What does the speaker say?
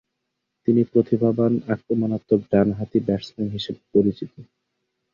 তিনি প্রতিভাবান আক্রমণাত্মক ডান হাতি ব্যাটসম্যান হিসেবে পরিচিত।